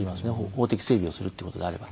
法的整備をするってことであれば。